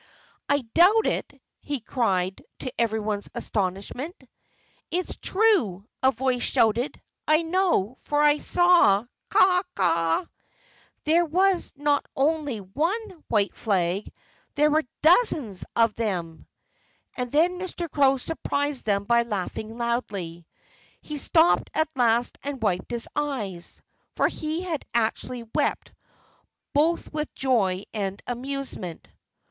"I doubt it!" he cried, to everyone's astonishment. "It's true!" a voice shouted. "I know, for I saw caw caw! There was not only one white flag; there were dozens of them!" And then Mr. Crow surprised them by laughing loudly. He stopped at last and wiped his eyes for he had actually wept, both with joy and amusement.